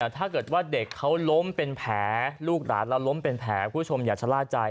ถ้าเกิดว่าเด็กเขาล้มเป็นแผลลูกหลานเราล้มเป็นแผลคุณผู้ชมอย่าชะล่าใจ